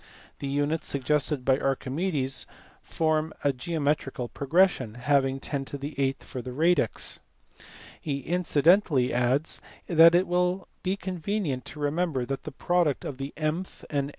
The units suggested by Archimedes form a geometrical progression, having 10 8 for the radix. He incidentally adds that it will be convenient to remember that the product of the mth and